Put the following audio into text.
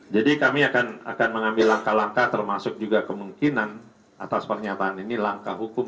jadi kami akan mengambil langkah langkah termasuk juga kemungkinan atas pernyataan ini langkah hukum